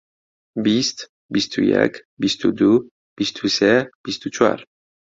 بیست، بیست و یەک، بیست و دوو، بیست و سێ، بیست و چوار.